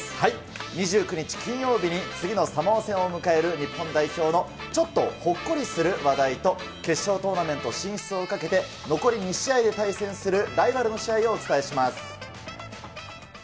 ２９日金曜日に次のサモア戦を迎える日本代表のちょっとほっこりする話題と、決勝トーナメント進出をかけて、残り２試合で対戦するライバルの試合をお伝えします。